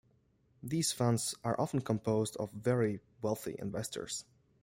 These funds are often composed of very wealthy investors.